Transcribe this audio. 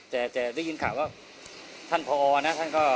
แต่ได้ยินข่าวจะฟังภาษาครูมัน